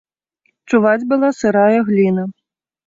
Чуваць была сырая гліна.